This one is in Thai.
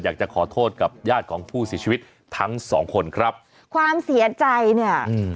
อยากจะขอโทษกับญาติของผู้เสียชีวิตทั้งสองคนครับความเสียใจเนี่ยอืม